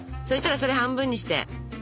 そしたらそれ半分にして。